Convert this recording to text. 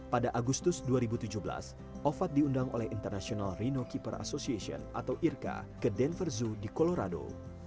pada agustus dua ribu tujuh belas ovad diundang oleh international rhino keeper association ke denver zoo di colorado